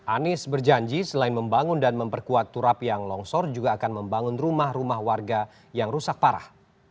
anies berjanji selain membangun dan memperkuat turap yang longsor juga akan membangun rumah rumah warga yang rusak parah